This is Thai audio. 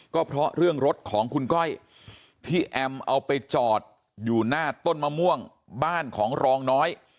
ก็เพราะเรื่องรถของคุณก้อยที่แอมเอาไปจอดอยู่หน้าต้นมะม่วงบ้านของรองน้อย